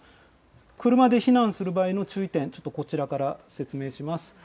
車で避難する場合の注意点、ちょっとこちらから説明します。